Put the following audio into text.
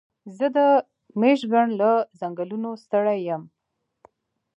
زه د مېشیګن له ځنګلونو ستړی یم.